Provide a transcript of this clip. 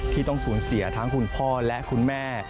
ที่ต้องสูญเสียทั้งคุณพ่อและคุณแม่